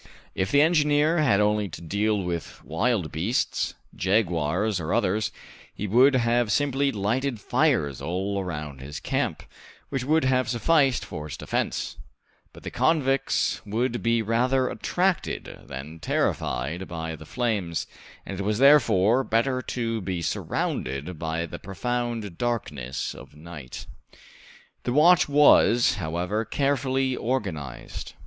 If the engineer had had only to deal with wild beasts, jaguars or others, he would have simply lighted fires all around his camp, which would have sufficed for its defense; but the convicts would be rather attracted than terrified by the flames, and it was, therefore, better to be surrounded by the profound darkness of night. The watch was, however, carefully organized.